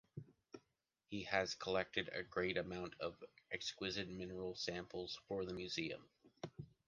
He has collected a great amount of exquisite mineral samples for the museum.